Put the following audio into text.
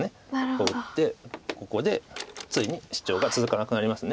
こう打ってここでついにシチョウが続かなくなります。